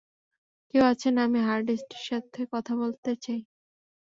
কেউ আছেন, আমি হারডিস্টির সাথে কথা বলতে চাই।